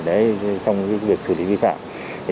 trong việc xử lý vi phạm